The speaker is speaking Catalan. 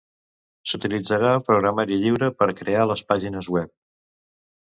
S'utilitzarà programari lliure per crear les pàgines web.